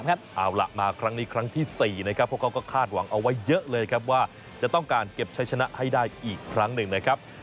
เอาล่ะมาครั้งนี้ครั้งที่๔นะครับพวกเขาก็คาดหวังเอาไว้เยอะเลยครับว่าจะต้องการเก็บใช้ชนะให้ได้อีกครั้งหนึ่งนะครับ